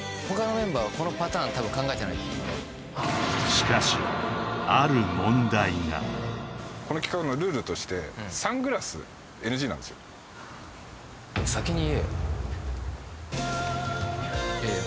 しかしこの企画のルールとしてサングラスＮＧなんですよいやいや